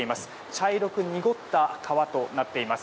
茶色く濁った川となっています。